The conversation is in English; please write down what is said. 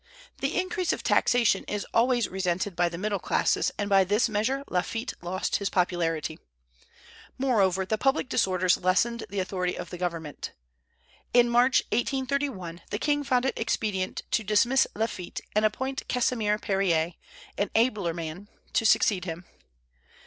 The increase of taxation is always resented by the middle classes, and by this measure Lafitte lost his popularity. Moreover, the public disorders lessened the authority of the government. In March, 1831, the king found it expedient to dismiss Lafitte, and to appoint Casimir Périer, an abler man, to succeed him.